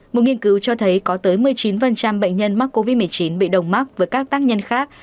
một nghiên cứu cho thấy có tới một mươi chín bệnh nhân mắc covid một mươi chín bị đồng mắc với các tác nhân khác